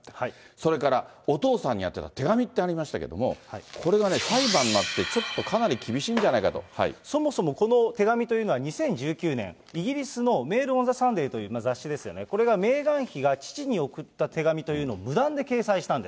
それからお父さんに宛てた手紙ってありましたけども、これがね、裁判になって、ちょっとかなり厳しいんじゃそもそも、この手紙というのは、２０１９年、イギリスのメール・オン・サンデーという雑誌ですよね、これがメーガン妃が父に送った手紙というのを無断で掲載したんです。